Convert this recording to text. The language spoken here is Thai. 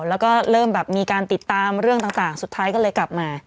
แล้วก็เริ่มแบบมีการติดตามเรื่องต่างสุดท้ายก็เลยกลับมา